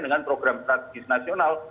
dengan program strategi nasional